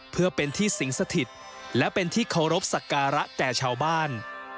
เพื่อเป็นที่สิงสถิตและเป็นที่เคารพสักการะแก่ชาวบ้าน